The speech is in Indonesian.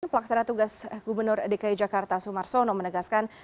pelaksana tugas gubernur dki jakarta sumar sono menegaskan